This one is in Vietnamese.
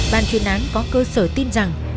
ban chuyên án có cơ sở tin rằng